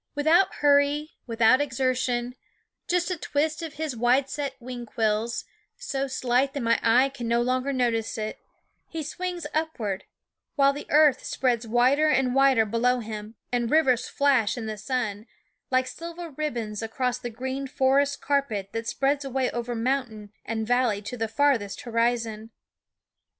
Without hurry, with out exertion just a twist of his wide set wing quills, so slight that my eye can no THE WOODS & longer notice it he swings upward ; while the earth spreads wider and wider below Vv him, and rivers flash in the sun, like silver ^~ v , f ZneG/aasome ribbons, across the green forest carpet that spreads away over mountain and valley to the farthest horizon.